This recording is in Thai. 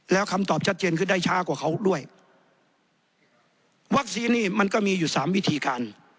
แล้วคำตอบชัดเจนคือได้ช้ากว่าเขาด้วยวัคซีนนี่มันก็มีอยู่สามวิธีการ